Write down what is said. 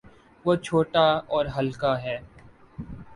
وہ چھوٹا اور ہلکا ہے۔